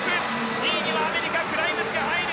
２位にはアメリカのグライムズが入る。